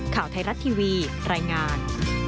ข่าวไทยรัฐทีวีรายงาน